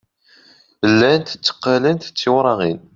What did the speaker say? Llant tteqqalent d tiwraɣin.